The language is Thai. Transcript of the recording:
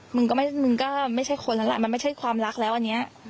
มึงก็ไม่ใช่คนแล้วล่ะมันไม่ใช่ความรักแล้วอันนี้